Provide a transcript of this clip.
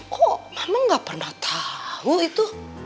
kok mama gak pernah tahu itu